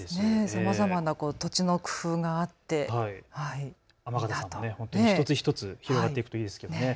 さまざまな土地の工夫があって一つ一つ広がっていくといいですよね。